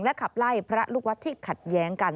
ขับไล่พระลูกวัดที่ขัดแย้งกัน